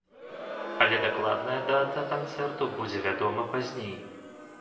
Але дакладная дата канцэрту будзе вядома пазней.